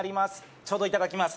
ちょうどいただきます